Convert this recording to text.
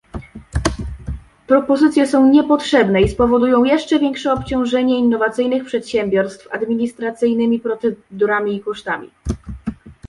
Propozycje są niepotrzebne i spowodują jeszcze większe obciążenie innowacyjnych przedsiębiorstw administracyjnymi procedurami i kosztami